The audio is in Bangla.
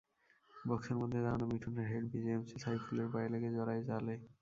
বক্সের মধ্যে দাঁড়ানো মিঠুনের হেড বিজেএমসির সাইফুলের পায়ে লেগে জড়ায় জালে।